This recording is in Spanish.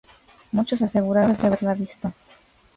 Muchos aseguraron haberla visto.